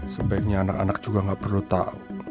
sebaiknya anak anak juga gak perlu tahu